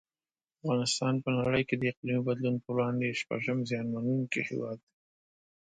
افغانستان په نړۍ کې د اقلیمي بدلون په وړاندې شپږم زیانمنونکی هیواد دی.